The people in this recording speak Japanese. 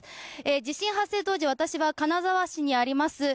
地震発生当時、私は金沢市にあります